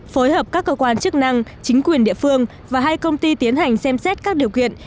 phối hợp các cơ quan chức năng chính quyền địa phương và hai công ty tiến hành xem xét các điều kiện